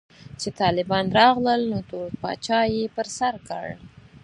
چې طالبان راغلل نو تور پاج يې پر سر کړ.